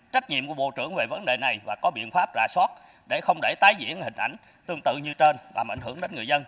trách nhiệm của bộ trưởng về vấn đề này và có biện pháp rà soát để không để tái diễn hình ảnh tương tự như trên làm ảnh hưởng đến người dân